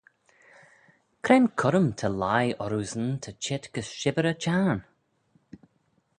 Cre'n currym ta lhie orroosyn ta çheet gys shibbyr y çhiarn?